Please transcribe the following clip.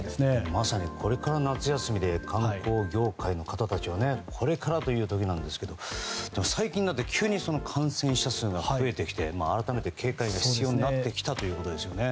まさにこれから夏休みで観光業界の方たちもこれからという時なんですけど最近になって急に感染者数が増えてきて改めて警戒が必要になってきたということですね。